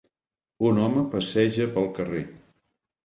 Un home passeja pel carrer.